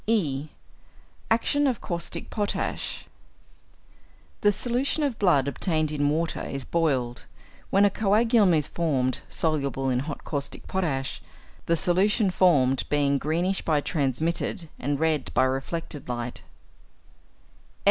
(e) =Action of Caustic Potash.= The solution of blood obtained in water is boiled, when a coagulum is formed soluble in hot caustic potash, the solution formed being greenish by transmitted and red by reflected light.